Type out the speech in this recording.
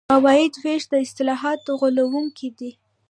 عوایدو وېش اصطلاح غولوونکې ده.